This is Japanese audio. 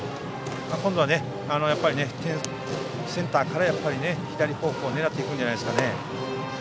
今度はセンターから左方向を狙っていくんじゃないでしょうか。